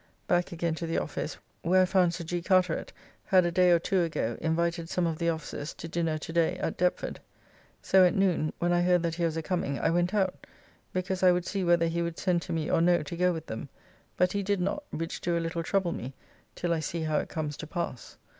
Back again to the office, where I found Sir G. Carteret had a day or two ago invited some of the officers to dinner to day at Deptford. So at noon, when I heard that he was a coming, I went out, because I would see whether he would send to me or no to go with them; but he did not, which do a little trouble me till I see how it comes to pass.